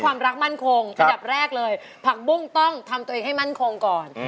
เป็นยกแรกภักบุ้งต้องทำตัวเองให้มั่นคงก่อน